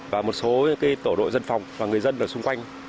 và một số tổ đội dân phòng và người dân ở xung quanh